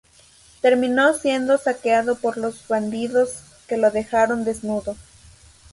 Terminó siendo saqueado por los bandidos, que lo dejaron desnudo.